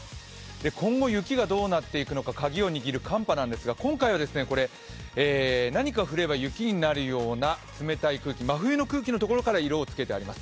今後、雪がどうなっていくかカギを握る寒波なんですが今回は何か降れば雪になるような冷たい空気、真冬の空気のところから色をつけてあります。